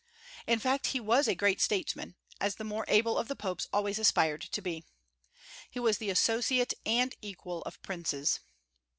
In fact he was a great statesman, as the more able of the popes always aspired to be. He was the associate and equal of princes.